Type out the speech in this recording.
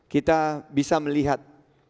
kita bisa melihat